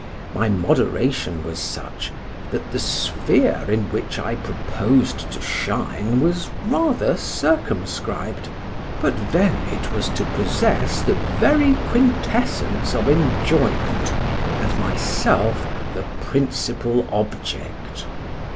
My moderation was such, that the sphere in which I proposed to shine was rather circumscribed, but then it was to possess the very quintessence of enjoyment, and myself the principal object.